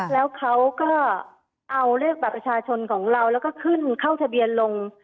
แล้วเขาก็เอาเลขบัตรประชาชนของเราแล้วก็ขึ้นเข้าทะเบียนลง